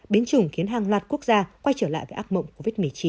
biến chủng khiến hàng loạt quốc gia quay trở lại với ác mộng covid một mươi chín